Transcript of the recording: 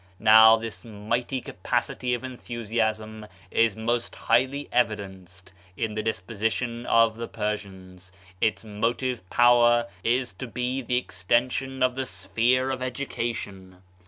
Now, this mighty capacity of en thusiasm is most highly evidenced in the disposi tion of the Persians, its motive power is to be the extension of the sphere of education.